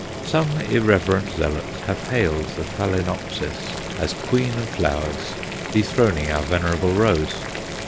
Some irreverent zealots have hailed the Phaloenopsis as Queen of Flowers, dethroning our venerable rose.